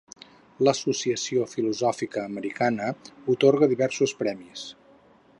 L'Associació Filosòfica Americana atorga diversos premis.